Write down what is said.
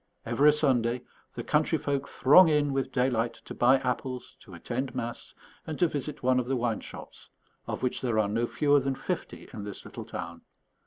Every Sunday the country folk throng in with daylight to buy apples, to attend mass, and to visit one of the wine shops, of which there are no fewer than fifty in this little town.